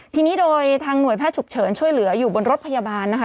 ทีนี้โดยทางหน่วยแพทย์ฉุกเฉินช่วยเหลืออยู่บนรถพยาบาลนะคะ